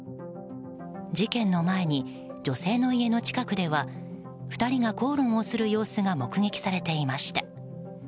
事件の前に、女性の家の近くでは２人が口論をする様子が目撃されていました。